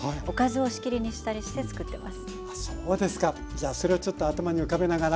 じゃあそれをちょっと頭に浮かべながら。